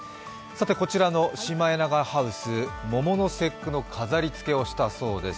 こちらのシマエナガハウス、桃の節句の飾り付けをしたそうです。